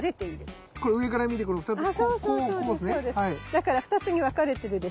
だから２つに分かれてるでしょ？